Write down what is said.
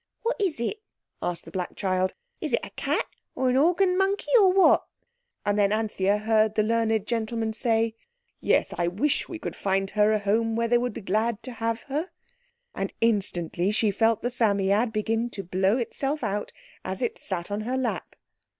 "What is it?" asked the black child. "Is it a cat or a organ monkey, or what?" And then Anthea heard the learned gentleman say— "Yes, I wish we could find a home where they would be glad to have her," and instantly she felt the Psammead begin to blow itself out as it sat on her lap.